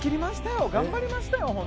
頑張りましたよ